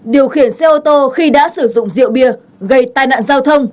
điều khiển xe ô tô khi đã sử dụng rượu bia gây tai nạn giao thông